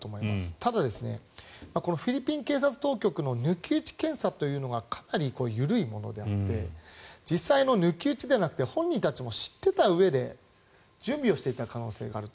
ただ、フィリピン警察当局の抜き打ち検査というのがかなり緩いものであって実際は抜き打ちではなくて本人たちも知っていたうえで準備をしていた可能性があると。